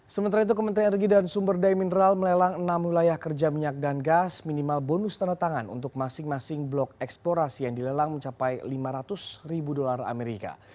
sementara itu kementerian energi dan sumber daya mineral melelang enam wilayah kerja minyak dan gas minimal bonus tanda tangan untuk masing masing blok eksplorasi yang dilelang mencapai lima ratus ribu dolar amerika